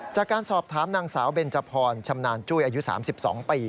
จากการสอบถามนางสาวเบนจพรชำนาญจุ้ยอายุ๓๒ปี